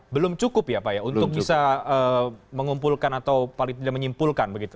belum cukup ya pak ya untuk bisa mengumpulkan atau menyimpulkan